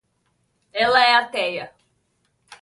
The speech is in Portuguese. Ela é ateia